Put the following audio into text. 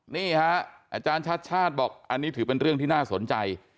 นี่ฮะอาจารย์ชาติชาติบอกอันนี้ถือเป็นเรื่องที่น่าสนใจ